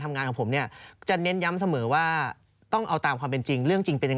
อ้าวมีชงด้วยเหรอ